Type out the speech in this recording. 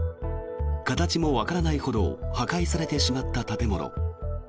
形もわからないほど破壊されてしまった建物。